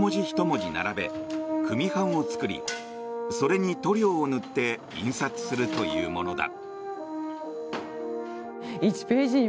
１文字並べ、組版を作りそれに塗料を塗って印刷するというものだ。